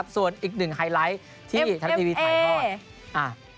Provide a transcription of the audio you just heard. ส่วนอีกหนึ่งไฮไลท์ที่แทนาทีวีไทยก่อน